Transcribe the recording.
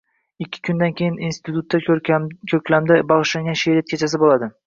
Ikki kundan keyin instititutda ko`klamga baјishlangan she`riyat kechasi bo`ladi